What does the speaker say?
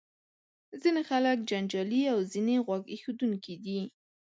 ځینې خلک جنجالي او ځینې غوږ ایښودونکي دي.